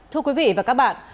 thưa quý vị và các bạn